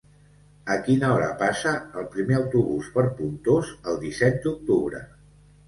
A quina hora passa el primer autobús per Pontós el disset d'octubre?